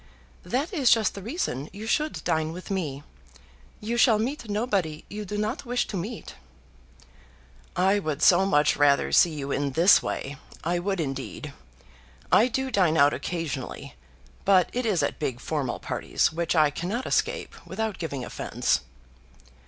"That is just the reason you should dine with me. You shall meet nobody you do not wish to meet." "I would so much rather see you in this way, I would indeed. I do dine out occasionally, but it is at big formal parties, which I cannot escape without giving offence."